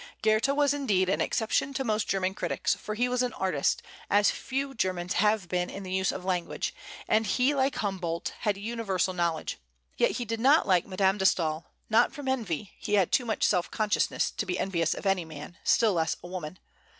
Goethe was indeed an exception to most German critics, for he was an artist, as few Germans have been in the use of language, and he, like Humboldt, had universal knowledge; yet he did not like Madame de Staël, not from envy: he had too much self consciousness to be envious of any man, still less a woman.